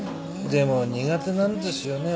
でも苦手なんですよね